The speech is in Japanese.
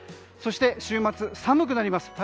そして週末、寒くなります。